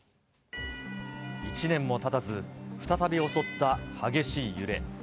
１年もたたず、再び襲った激しい揺れ。